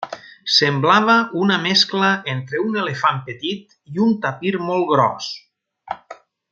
Semblava una mescla entre un elefant petit i un tapir molt gros.